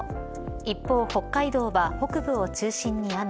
一方北海道は北部を中心に雨。